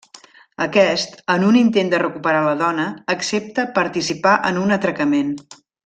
Aquest, en un intent de recuperar la dona, accepta participar en un atracament.